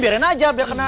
biarin aja biar kena